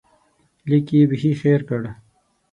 لیک یې بیخي هېر کړ.